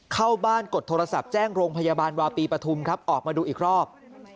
เข้าบ้านกดโทรศัพท์แจ้งโรงพยาบาลวาปีปฐุมครับออกมาดูอีกรอบ